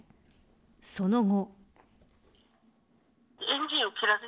その後。